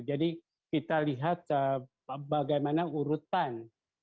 jadi kita lihat bagaimana urutan